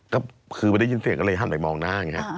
ก็คือไม่ได้ยินเสียงก็เลยหันไปมองหน้าอย่างนี้